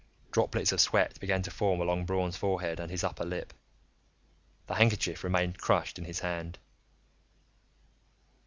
Droplets of sweat began to form along Braun's forehead and his upper lip. The handkerchief remained crushed in his hand.